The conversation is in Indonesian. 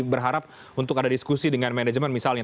berharap untuk ada diskusi dengan manajemen misalnya